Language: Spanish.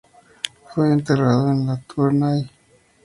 Fue enterrado en la en Tournai.